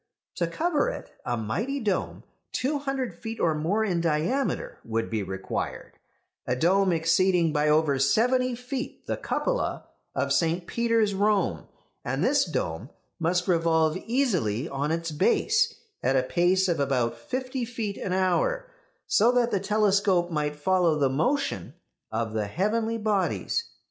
To cover it, a mighty dome, two hundred feet or more in diameter, would be required; a dome exceeding by over seventy feet the cupola of St. Peter's, Rome; and this dome must revolve easily on its base at a pace of about fifty feet an hour, so that the telescope might follow the motion of the heavenly bodies.